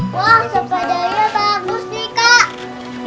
wah sepedanya bagus nih kak